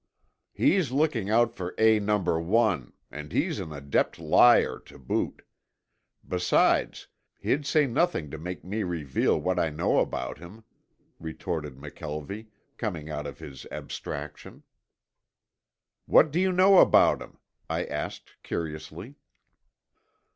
"He's looking out for A No. 1 and he's an adept liar, to boot. Besides, he'd say nothing to make me reveal what I know about him," retorted McKelvie, coming out of his abstraction. "What do you know about him?" I asked curiously.